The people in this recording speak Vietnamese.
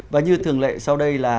và như thường lệ sau đây là